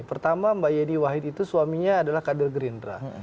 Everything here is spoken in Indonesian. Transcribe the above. pertama mbak yeni wahid itu suaminya adalah kader gerindra